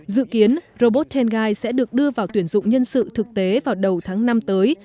dự kiến robot tengai sẽ được đưa vào tuyển dụng nhân sự thực tế vào đầu tháng năm tới